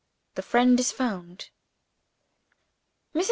THE FRIEND IS FOUND. Mrs.